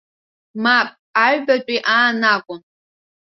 Мап, аҩбатәи аан акәын.